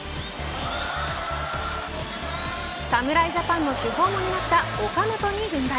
侍ジャパンの主砲も担った岡本に軍配。